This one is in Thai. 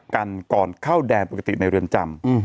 กันก่อนเข้าแดนปกติในเรือนจำ